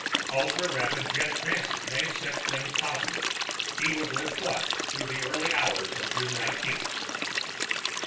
Ultrarapid jet transit made such things possible; he would live twice through the early hours of June nineteenth.